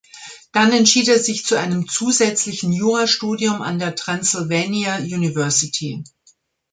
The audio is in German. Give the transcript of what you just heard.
Dann entschied er sich zu einem zusätzlichen Jurastudium an der Transylvania University.